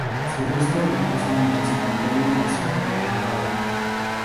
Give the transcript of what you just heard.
Sus restos reposan en el cementerio de la ciudad de Granada.